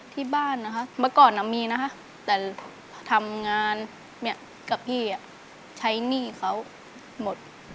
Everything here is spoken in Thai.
ที่บ้านนะคะเมื่อก่อนมีนะแต่ทำงานกับพี่ใช้หนี้เขาหมด